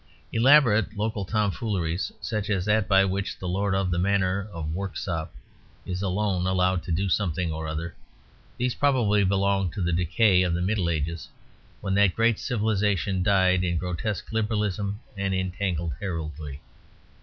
Elaborate local tomfooleries, such as that by which the Lord of the Manor of Work sop is alone allowed to do something or other, these probably belong to the decay of the Middle Ages, when that great civilisation died out in grotesque literalism and entangled heraldry.